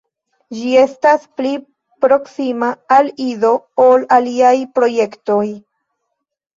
Ĝi estas pli proksima al Ido ol aliaj projektoj.